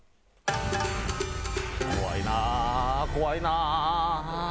怖いな怖いな。